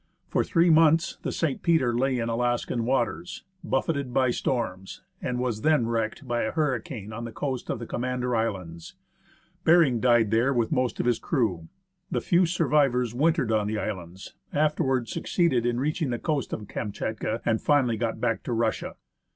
For three months the S^. Peter lay in Alaskan waters, buffeted by storms, and was then wrecked by a hurricane on the coast of the Commander Islands. Behring died there with most of his crew. The few survivors wintered on the islands, afterwards succeeded in reaching the coast of Kamschatka, and finally got back to Russia.